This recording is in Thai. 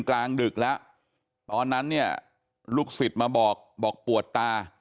กลางดึกแล้วตอนนั้นเนี่ยลูกศิษย์มาบอกบอกปวดตา